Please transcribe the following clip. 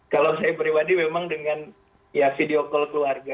kalau saya pribadi memang dengan ya video call keluarga